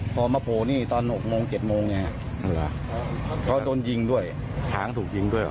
พ่อมาโผนี่ตอนหกโมงเจ็ดโมงเนี้ยเขาโดนยิงด้วยท้างถูกยิงด้วยเหรอ